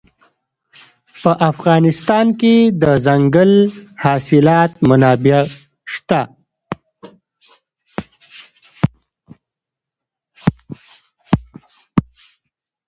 په افغانستان کې د دځنګل حاصلات منابع شته.